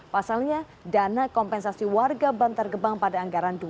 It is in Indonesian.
pasalnya dana kompensasi warga bantar gebang pada anggaran dua ribu dua puluh satu